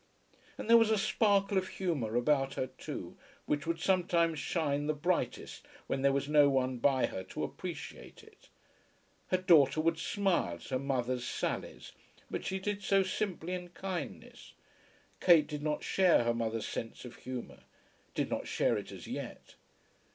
And there was a sparkle of humour about her too, which would sometimes shine the brightest when there was no one by her to appreciate it. Her daughter would smile at her mother's sallies, but she did so simply in kindness. Kate did not share her mother's sense of humour, did not share it as yet.